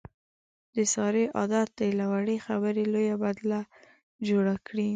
د سارې عادت دی، له وړې خبرې لویه بدله جوړه کړي.